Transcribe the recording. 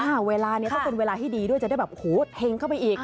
เวลานี้ก็เป็นเวลาที่ดีด้วยจะได้แบบโหเฮงเข้าไปอีก